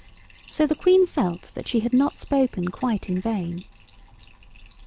So the Queen felt that she had not spoken quite in vain.